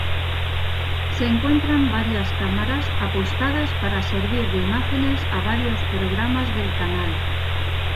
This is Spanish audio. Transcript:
Se encuentran varias cámaras apostadas para servir de imágenes a varios programas del canal.